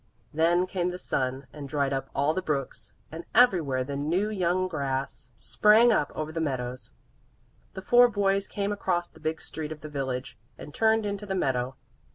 Then came the sun and dried up all the brooks, and everywhere the new young grass sprang up over the meadows. The four boys came across the big street of the village and turned into the meadow.